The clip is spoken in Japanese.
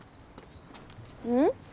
うん？